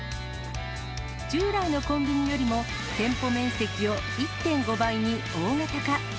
従来のコンビニよりも、店舗面積を１．５倍に大型化。